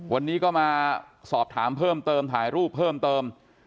วันนี้ก็มาสอบถามเพิ่มเติมถ่ายรูปเพิ่มเติม